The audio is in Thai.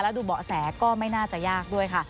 แล้วดูเบาะแสก็ไม่น่าจะยากด้วยค่ะ